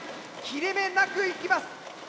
切れ目なくいきます。